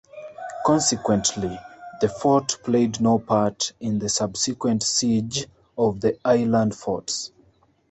Consequently, the fort played no part in the subsequent siege of the island forts.